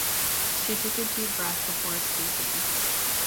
She took a deep breath before speaking.